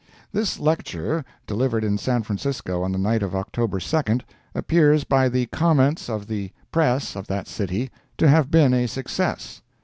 —This lecture, delivered in San Francisco on the night of October 2d, appears by the comments of the press of that city to have been a success.